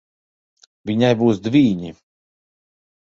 Viņai būs dvīņi.